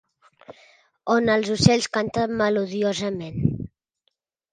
On els ocells canten melodiosament.